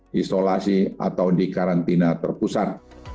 di isolasi atau di karantina terpusat